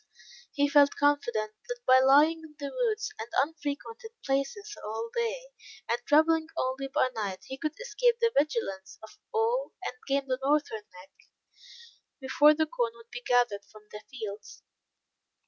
He felt confident, that by lying in the woods and unfrequented places all day, and traveling only by night, he could escape the vigilance of all pursuit; and gain the Northern Neck, before the corn would be gathered from the fields.